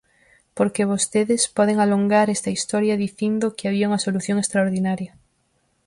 Porque vostedes poden alongar esta historia dicindo que había unha solución extraordinaria.